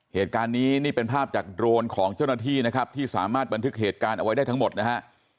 เหตุการณ์นี้นี่เป็นภาพจากโดรนของเจ้าหน้าที่นะครับที่สามารถบันทึกเหตุการณ์เอาไว้ได้ทั้งหมดนะฮะ